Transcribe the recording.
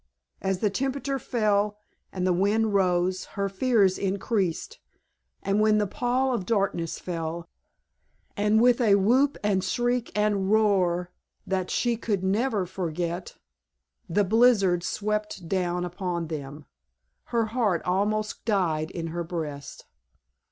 As the temperature fell and the wind rose her fears increased; and when the pall of darkness fell, and with a whoop and shriek and roar that she could never forget the blizzard swept down upon them, her heart almost died in her breast.